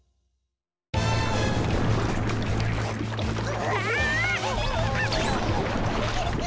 うわ！